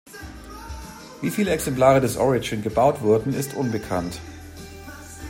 Wie viele Exemplare des Origin gebaut wurden ist unbekannt.